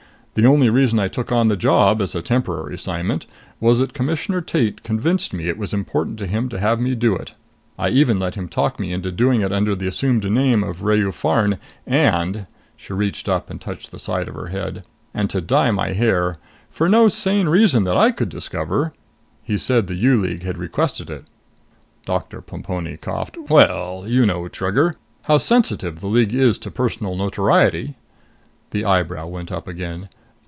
The only reason I took on the job, as a temporary assignment, was that Commissioner Tate convinced me it was important to him to have me do it. I even let him talk me into doing it under the assumed name of Ruya Farn and" she reached up and touched the side of her head "and to dye my hair. For no sane reason that I could discover! He said the U League had requested it." Doctor Plemponi coughed. "Well, you know, Trigger, how sensitive the League is to personal notoriety." The eyebrow went up again.